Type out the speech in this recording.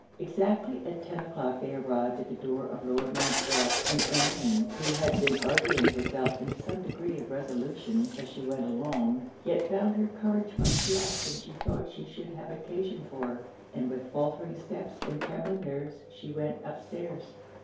Exactly at ten o'clock they arrived at the door of Lord Montreville; and Emmeline, who had been arguing herself into some degree of resolution as she went along, yet found her courage much less than she thought she should have occasion for; and with faultering steps and trembling nerves she went up stairs.